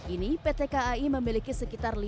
ini pt kai memiliki sekitar lima puluh persen